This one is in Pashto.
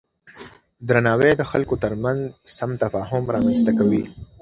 درناوی د خلکو ترمنځ سم تفاهم رامنځته کوي.